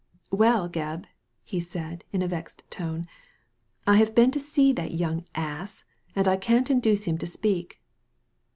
•• Well, Gebb," he said, in a vexed tone, *' I have been to see that young ass, and I can't induce him to speak."